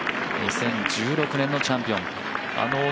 ２０１６年のチャンピオン。